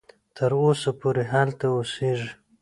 تر اوسه پوري هلته اوسیږي.